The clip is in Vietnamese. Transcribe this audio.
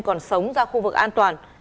còn sống ra khu vực an toàn